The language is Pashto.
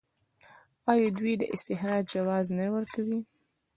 آیا دوی د استخراج جواز نه ورکوي؟